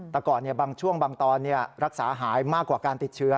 แต่ก่อนบางช่วงบางตอนรักษาหายมากกว่าการติดเชื้อ